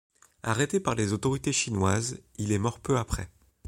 Arrêté par les autorités chinoises, il est mort peu après.